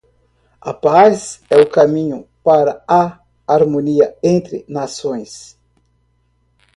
A paz é o caminho para a harmonia entre nações.